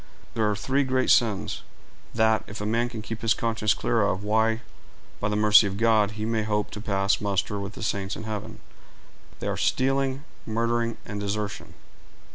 There are three great sins, that, if a man can keep his conscience clear of, why, by the mercy of God, he may hope to pass muster with the saints in heaven: they are stealing, murdering, and desertion."